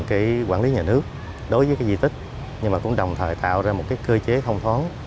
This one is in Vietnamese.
cái quản lý nhà nước đối với cái di tích nhưng mà cũng đồng thời tạo ra một cái cơ chế thông thoáng